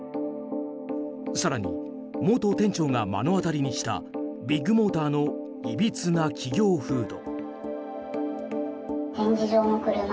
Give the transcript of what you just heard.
更に、元店長が目の当たりにしたビッグモーターのいびつな企業風土。